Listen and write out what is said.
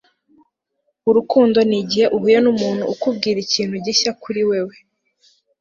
urukundo ni igihe uhuye n'umuntu ukubwira ikintu gishya kuri wewe